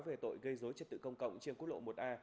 về tội gây dối trật tự công cộng trên quốc lộ một a